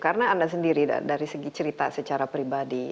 karena anda sendiri dari segi cerita secara pribadi